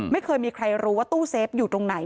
ไม่เคยมีใครรู้ว่าตู้เซฟอยู่ตรงไหน